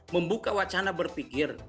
membuka wacana berpikir